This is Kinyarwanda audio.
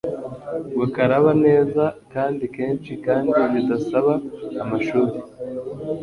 ngo karaba neza kandi kenshi kandi bidasaba amashuri